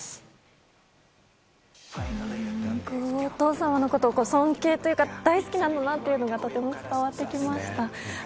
お父様のことを尊敬というか大好きなんだなというのがとても伝わってきましたね。